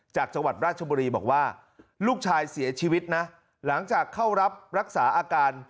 จังหวัดราชบุรีบอกว่าลูกชายเสียชีวิตนะหลังจากเข้ารับรักษาอาการ